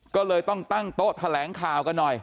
ก็เลยต้องตั้งโต๊ะแถลงข่าวกันหน่อย